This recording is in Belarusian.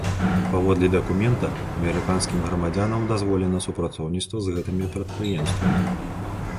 Паводле дакумента, амерыканскім грамадзянам дазволена супрацоўніцтва з гэтымі прадпрыемствамі.